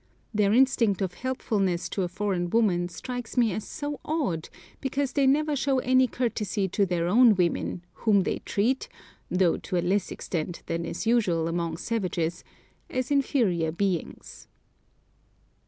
Their instinct of helpfulness to a foreign woman strikes me as so odd, because they never show any courtesy to their own women, whom they treat (though to a less extent than is usual among savages) as inferior beings.